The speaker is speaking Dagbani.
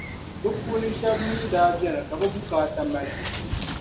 bɛ puuni shεba mi beni ka bɛ bukaata daa mali